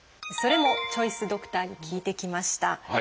それもチョイスドクターに聞いてきました。